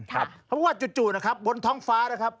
เพราะว่าจู่นะครับบนท้องฟ้านะครับ